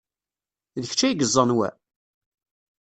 D kečč ay yeẓẓan wa?